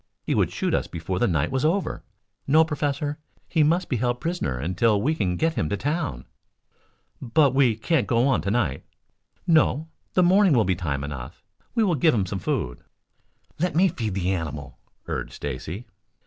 He would shoot us before the night was over. No, Professor, he must be held prisoner until we can get him to town." "But we can't go on to night." "No. The morning will be time enough. We will give him some food." "Let me feed the animal," urged Stacy.